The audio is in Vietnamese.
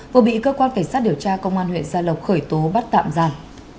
vừa bị cơ quan cảnh sát điều tra công an huyện gia lộc khởi tố bắt tạm giam